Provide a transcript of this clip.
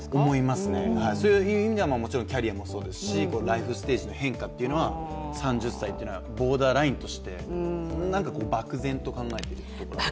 そういう意味ではもちろんキャリアもそうですし、ライフステージの変化っていうのは３０歳というのはボーダーラインとして漠然と考えているような。